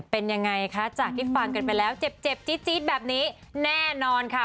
เป็นยังไงคะจากที่ฟังกันไปแล้วเจ็บจี๊ดแบบนี้แน่นอนค่ะ